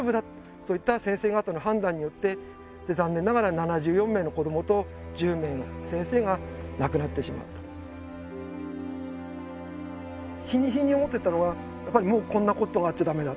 そういった先生方の判断によって残念ながら７４名の子供と１０名の先生が亡くなってしまった日に日に思ってったのがもうこんなことがあっちゃダメだ